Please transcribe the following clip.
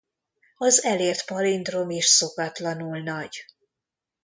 Az elért palindrom is szokatlanul nagy.